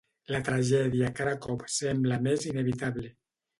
La tragèdia cada cop sembla més inevitable.